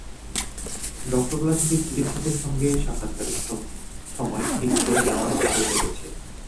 ডক্টরোলা থেকে চিকিৎসকের সঙ্গে সাক্ষাৎকারের সময় ঠিক করে নেওয়ার হারও বেড়েছে।